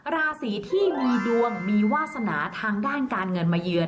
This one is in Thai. ราศีที่มีดวงมีวาสนาทางด้านการเงินมาเยือน